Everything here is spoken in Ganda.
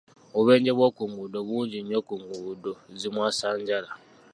Obubenje bw'oku nguudo bungi nnyo ku nguudo zimwasanjala.